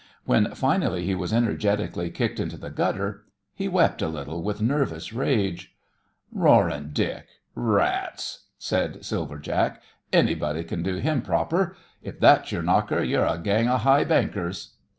When finally he was energetically kicked into the gutter, he wept a little with nervous rage. "Roaring Dick! Rats!" said Silver Jack. "Anybody can do him proper. If that's your 'knocker,' you're a gang of high bankers."